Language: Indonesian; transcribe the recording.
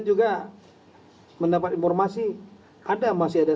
juga untuk kepada masa